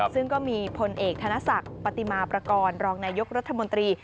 ซึ่งก็มีพลเอกธนศักดิ์ปฏิมาประกอบรองนายกรัฐมนตรี